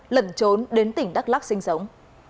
lẩn trốn đến tỉnh đắk lắc sinh sống